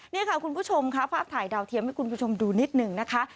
นี่ค่ะคุณผู้ชมค่ะภาพถ่ายดาวเทียมให้คุณผู้ชมดูนิดหนึ่งนะคะ